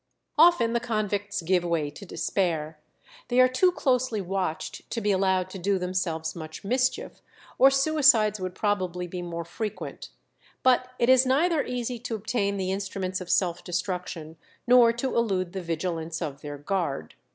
Often the convicts give way to despair. They are too closely watched to be allowed to do themselves much mischief, or suicides would probably be more frequent. But it is neither easy to obtain the instruments of self destruction nor to elude the vigilance of their guard.